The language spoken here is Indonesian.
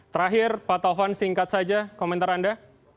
terakhir pak taufan singkat saja komentar anda